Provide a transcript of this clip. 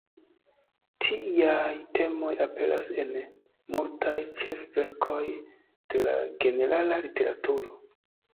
Tiaj temoj aperas en multaj ĉef-verkoj de la generala literaturo.